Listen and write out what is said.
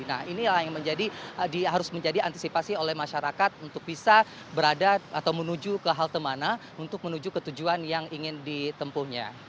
nah inilah yang harus menjadi antisipasi oleh masyarakat untuk bisa berada atau menuju ke halte mana untuk menuju ke tujuan yang ingin ditempuhnya